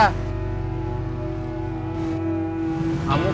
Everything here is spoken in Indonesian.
sekarang kita berdua dua